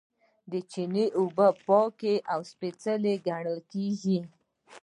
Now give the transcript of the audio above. د چینې اوبه پاکې او سپیڅلې ګڼل کیږي.